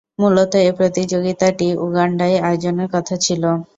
মূলতঃ এ প্রতিযোগিতাটি উগান্ডায় আয়োজনের কথা ছিল।